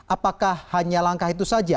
apakah hanya langkah itu saja